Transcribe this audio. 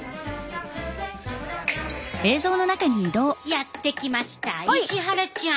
やって来ました石原ちゃん